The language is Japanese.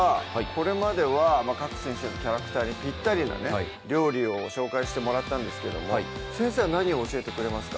これまでは各先生のキャラクターにぴったりなね料理を紹介してもらったんですけども先生は何を教えてくれますか？